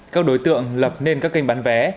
các đối tượng lập nên các kênh bán vé